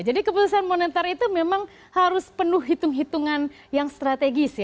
jadi keputusan monetar itu memang harus penuh hitung hitungan yang strategis